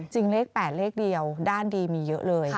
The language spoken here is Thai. เลข๘เลขเดียวด้านดีมีเยอะเลย